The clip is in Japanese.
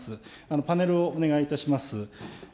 パネルをお願いいたします。